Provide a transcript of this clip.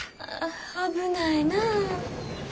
危ないなぁ。